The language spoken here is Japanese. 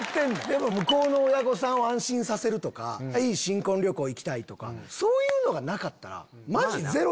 でも向こうの親御さんを安心させるとか新婚旅行行きたいとかそういうのがなかったら。